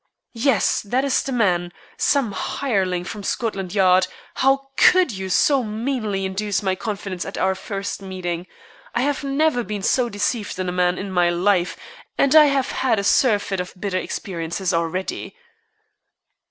"Yes, that is the man. Some hireling from Scotland Yard. How could you so meanly induce my confidence at our first meeting? I have never been so deceived in a man in my life, and I have had a surfeit of bitter experience already."